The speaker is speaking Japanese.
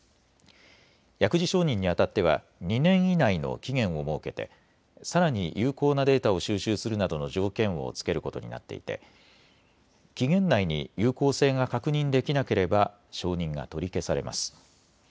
薬事承認にあたっては２年以内の期限を設けて、さらに有効なデータを収集するなどの条件を付けることになっていて期限内に有効性が確認できなければ承認が取り消されます。